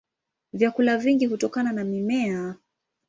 Vyakula vingi hutokana na mimea.